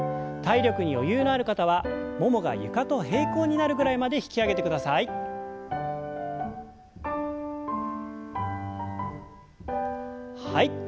体力に余裕のある方はももが床と平行になるぐらいまで引き上げてください。